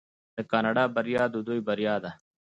د کاناډا بریا د دوی بریا ده.